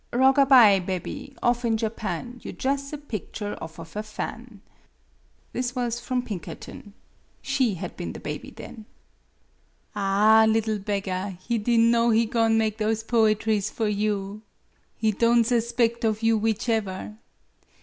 " Rog a by, bebby, off in Japan, You jus' a picture off of a fan." This was from Pinkerton. She had been the baby then. " Ah, liddle beggar, he di'n' know he go'n' make those poetries for you! He don' sus MADAME BUTTERFLY 21 pect of you whichever.